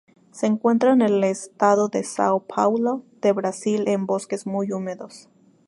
Se encuentra en el estado de Sao Paulo de Brasil en bosques muy húmedos.